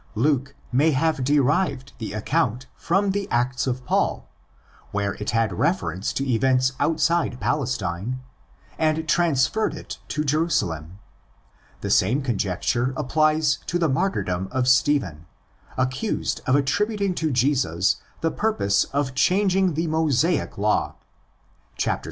Luke may have derived the account from the Acts of Paul, where it had reference to events outside Palestine, and transferred it to Jerusalem. The same conjecture applies to the martyrdom of Stephen, accused of attributing to Jesus the purpose of changing the Mosaic law (vi.